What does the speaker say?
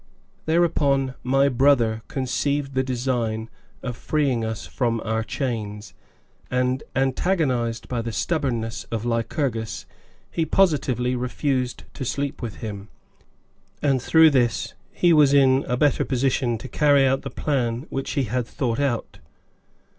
Thereupon my "brother" conceived the design of freeing us from our chains, and, antagonized by the stubbornness of Lycurgus, he positively refused to sleep with him, and through this he was in a better position to carry out the plan which he had thought out.